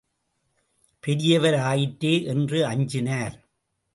பெரியவர் ஆயிற்றே என்று அஞ்சினார்.